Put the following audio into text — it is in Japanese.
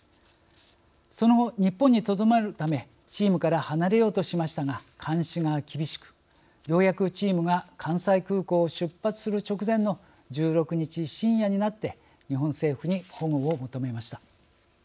その後、日本にとどまるためチームから離れようとしましたが監視が厳しくようやくチームが関西空港を出発する直前の１６日深夜になって日本政府に保護を求めました。